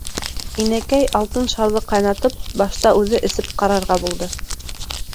Инәкәй, алтын шарҙы ҡайнатып, башта үҙе эсеп ҡарарға булды.